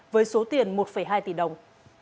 với số tiền một hai tỷ đồng